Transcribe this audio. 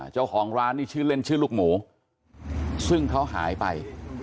เจ้าของร้านนี่ชื่อเล่นชื่อลูกหมูซึ่งเขาหายไป